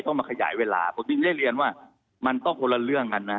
ต้องมาขยายเวลาผมถึงได้เรียนว่ามันต้องคนละเรื่องกันนะ